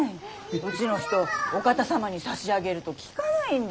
うちの人お方様に差し上げると聞かないんで。